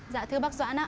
dạ thưa bác doãn ạ